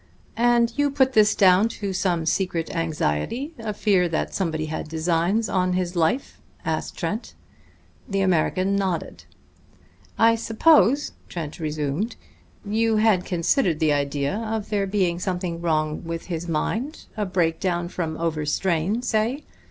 "And you put this down to some secret anxiety, a fear that somebody had designs on his life?" asked Trent. The American nodded. "I suppose," Trent resumed, "you had considered the idea of there being something wrong with his mind a break down from overstrain, say.